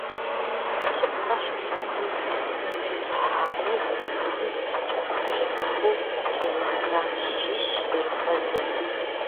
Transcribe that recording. Къыхэгъэщыпхъэщ, илъэсым тещӏыхьауэ зы цӏыхум кӏэрыхубжьэрыхуу килограмм щищ зэрыхуэзэр.